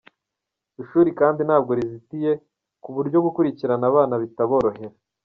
Ishuri kandi ntabwo rizitiye ku buryo gukurikirana abana bitaborohera.